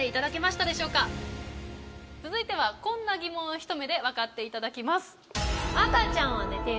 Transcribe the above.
続いてはこんな疑問をひと目でわかっていただきます。